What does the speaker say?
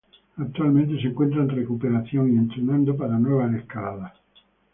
Actualmente se encuentra en recuperación y entrenando para nuevas escaladas.